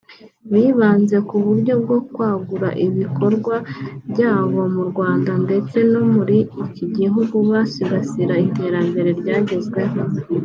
byibanze ku buryo bwo kwagura ibikorwa byabo mu Rwanda ndetse no muri iki gihugu basigasira iterambere ryagezweho